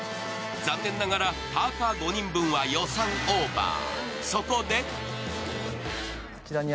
残念ながら、パーカー５人分は予算オーバー。